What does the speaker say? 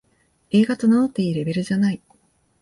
映画と名乗っていいレベルじゃない